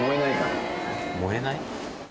燃えない？